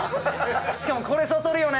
しかもこれ、そそるよね